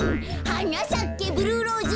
「はなさけブルーローズ」